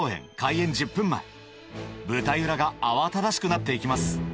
舞台裏が慌ただしくなっていきます